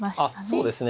そうですね。